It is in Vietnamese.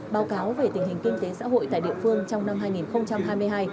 báo cáo về tình hình kinh tế xã hội tại địa phương trong năm hai nghìn hai mươi hai